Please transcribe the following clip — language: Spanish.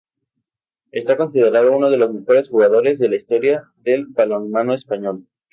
Está considerado uno de los mejores jugadores de la historia del balonmano español.